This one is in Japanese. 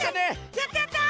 やったやった！